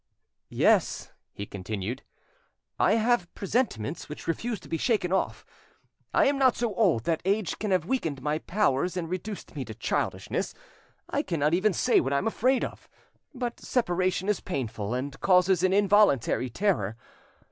"Yes," he continued, "I have presentiments which refuse to be shaken off. I am not so old that age can have weakened my powers and reduced me to childishness, I cannot even say what I am afraid of, but separation is painful and causes an involuntary terror.